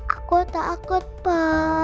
aku takut pa